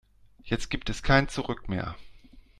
Jetzt gibt es kein Zurück mehr.